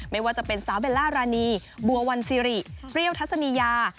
ไม่ว่าจะเป็นสาวเบลล่ารานีบัววันซิริเปรี้ยวทัศนียา